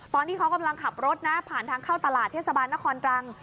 ตอนที่เขากำลังขับรถนะผ่านทางเข้าตลาดเทศบาลนครตรัง